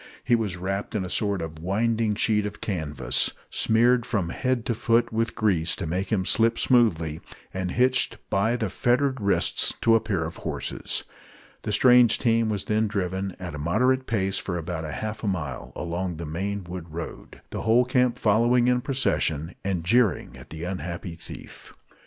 He was wrapped in a sort of winding sheet of canvas, smeared from head to foot with grease to make him slip smoothly, and hitched by the fettered wrists to a pair of horses. The strange team was then driven, at a moderate pace, for about half a mile along the main wood road, the whole camp following in procession, and jeering at the unhappy thief.